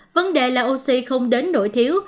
vấn đề là oxy không đến nổi thiếu